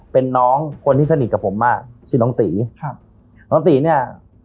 เป็นน้องคนที่สนิทกับผมมากชื่อน้องตีครับน้องตีเนี่ย